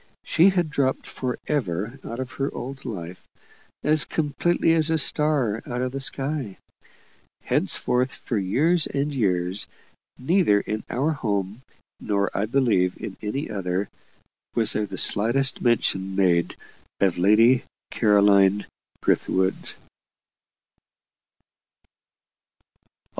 She had dropped for ever out of her old life, as completely as a star out of the sky. Henceforth, for years and years, neither in our home, nor, I believe, in any other, was there the slightest mention made of Lady Caroline Brithwood.